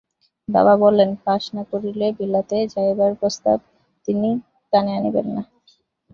বাবা বলেন, পাস না করিলে বিলাতে যাইবার প্রস্তাব তিনি কানে আনিবেন না।